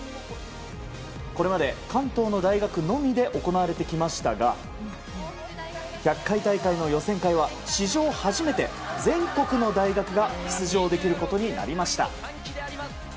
これまで、関東の大学のみで行われてきましたが１００回大会の予選会は史上初めて全国の大学が出場できることになりました。